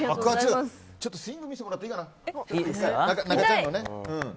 ちょっとスイング見せてもらっていいかな。